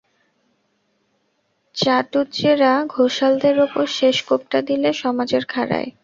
চাটুজ্যেরা ঘোষালদের উপর শেষ কোপটা দিলে সমাজের খাঁড়ায়।